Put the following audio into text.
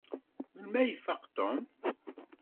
Melmi ay ifaq Tom?